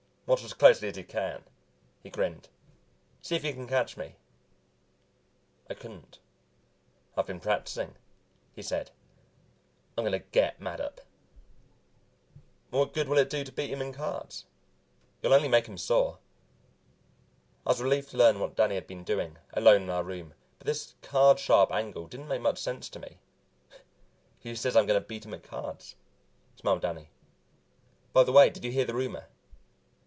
"Watch as closely as you can," he grinned. "See if you can catch me." I couldn't. "I've been practicing," he said. "I'm going to get Mattup." "What good will it do to beat him in cards? You'll only make him sore." I was relieved to learn what Danny had been doing, alone in our room, but this card sharp angle didn't make much sense to me. "Who says I'm going to beat him at cards?" smiled Danny. "By the way, did you hear the rumor?